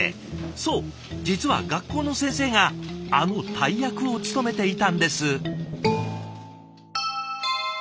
そう実は学校の先生があの大役を務めていたんです。